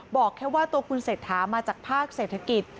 บอกแค่ว่าตัวคุณเศรษฐามาจากภาคเศรษฐกิจ